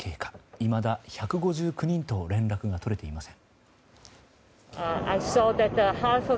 いまだ１５９人と連絡が取れていません。